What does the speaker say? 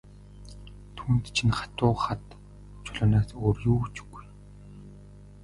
Түүнд чинь хатуу хад чулуунаас өөр юу ч үгүй.